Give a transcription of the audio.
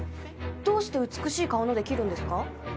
どうして「美しい顔の」で切るんですか？